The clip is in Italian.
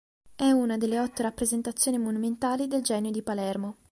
È una delle otto rappresentazioni monumentali del Genio di Palermo.